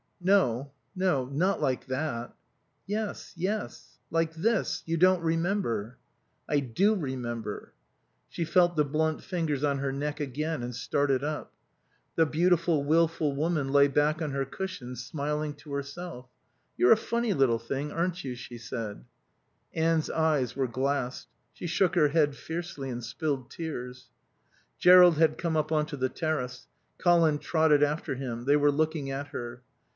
"No. No. Not like that." "Yes. Yes. Like this. You don't remember." "I do remember." She felt the blunt fingers on her neck again and started up. The beautiful, wilful woman lay back on her cushions, smiling to herself. "You're a funny little thing, aren't you?" she said. Anne's eyes were glassed. She shook her head fiercely and spilled tears. Jerrold had come up on to the terrace. Colin trotted after him. They were looking at her.